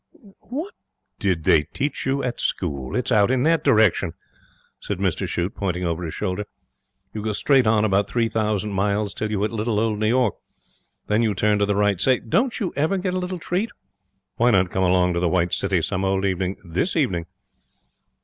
'What did they teach you at school? It's out in that direction,' said Mr Shute, pointing over his shoulder. 'You go straight on about three thousand miles till you hit little old New York; then you turn to the right. Say, don't you ever get a little treat? Why not come along to the White City some old evening? This evening?'